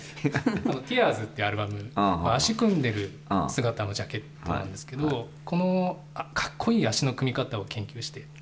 「ＴＥＡＲＳ」っていうアルバムが足を組んでいる姿のジャケットなんですけどこの格好いい足の組み方を研究して。